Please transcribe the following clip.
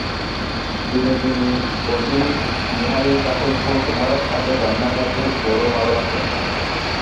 বিনোদিনী কহিল, বিহারী-ঠাকুরপো তোমার হাতের রান্না খাইতে বড়ো ভালোবাসেন।